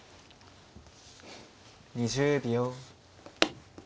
２０秒。